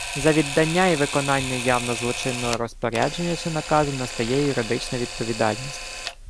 За віддання і виконання явно злочинного розпорядження чи наказу настає юридична відповідальність